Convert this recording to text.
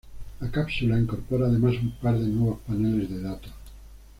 La cápsula incorpora además un par de nuevos paneles de datos.